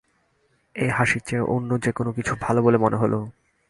এই হাসির চেয়ে অন্য যে কোনোকিছু ভালো বলে মনে হল।